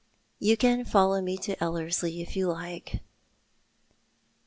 " You can follow me to Ellerslie if you like."